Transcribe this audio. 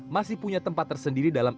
masih punya tempat tersendiri dalam